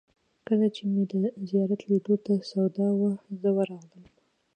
کله چې مې د زیارت لیدلو ته سودا وه، زه ورغلم.